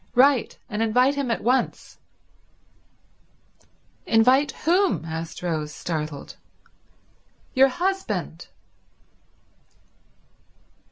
"Write and invite him at once." "Invite whom?" asked Rose, startled. "Your husband."